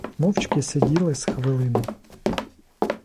Мовчки сиділи з хвилину.